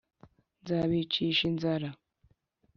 Nzabicisha inzara